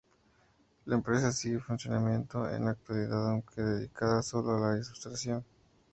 La empresa sigue en funcionamiento en la actualidad aunque dedicada sólo a la ilustración.